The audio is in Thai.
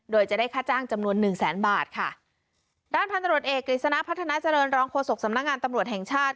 โดยจะได้ค่าจ้างจำนวนหนึ่งแสนบาทค่ะด้านพันตรวจเอกกฤษณะพัฒนาเจริญรองโฆษกสำนักงานตำรวจแห่งชาติ